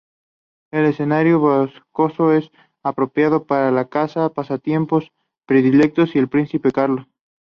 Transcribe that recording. El escenario boscoso es apropiado para la caza, pasatiempo predilecto del príncipe Carlos.